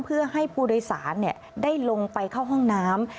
เพื่อให้ผู้โดยสารได้ลงไปเข้าห้องน้ำ